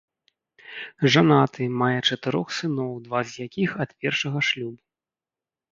Жанаты, мае чатырох сыноў, два з якіх ад першага шлюбу.